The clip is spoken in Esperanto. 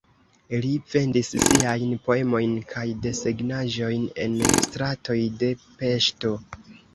Li vendis siajn poemojn kaj desegnaĵojn en stratoj de Peŝto.